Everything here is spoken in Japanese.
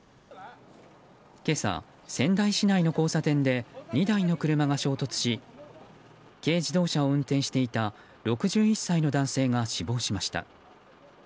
今朝、仙台市内の交差点で２台の車が衝突し軽自動車を運転していた６１歳の男性が死亡しました。